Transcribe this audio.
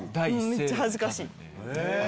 めっちゃ恥ずかしい。